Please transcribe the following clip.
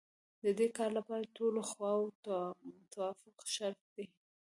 د دې کار لپاره د ټولو خواوو توافق شرط دی.